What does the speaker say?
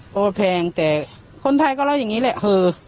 ก็แพงแต่คนไทยก็เล่าอย่างนี้แหละ